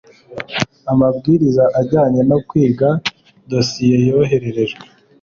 Amabwiriza ajyanye no kwiga dosiye yoherejwe